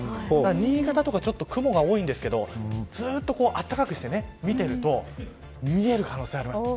新潟とか、ちょっと雲が多いんですけどずっと暖かくして見てると見える可能性あります。